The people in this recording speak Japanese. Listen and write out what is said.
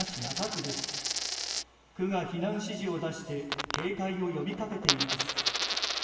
区が避難指示を出して警戒を呼びかけています。